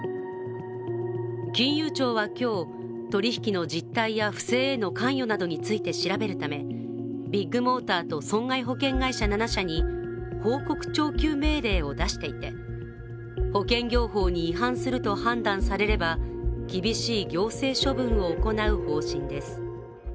金融庁は今日、取り引きの実態や不正への関与について調べるためビッグモーターと損害保険会社７社に報告徴求命令を出していて、保険業法に違反すると判断されれば厳しい行政処分を行う方針です。